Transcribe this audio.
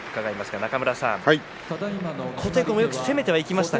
中村さん琴恵光もよく攻めていきましたが。